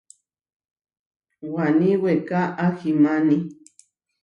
Waní weká ahimáni.